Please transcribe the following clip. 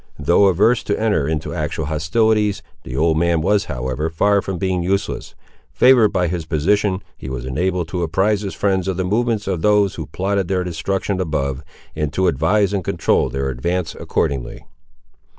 Though averse to enter into actual hostilities, the old man was, however, far from being useless. Favoured by his position, he was enabled to apprise his friends of the movements of those who plotted their destruction above, and to advise and control their advance accordingly.